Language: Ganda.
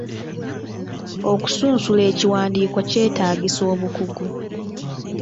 Okusunsula ekiwandiiko kyetaagisa obukugu.